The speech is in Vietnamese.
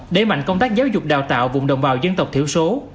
đẩy mạnh công tác giáo dục đào tạo vùng đồng bào dân tộc thiểu số